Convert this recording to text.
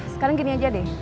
sekarang gini aja deh